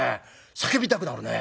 叫びたくなるね。